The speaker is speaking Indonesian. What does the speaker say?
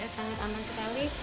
sangat aman sekali